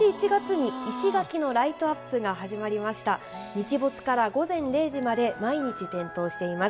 日没から午前０時まで毎日点灯しています。